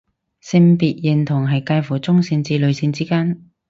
性別認同係界乎中性至女性之間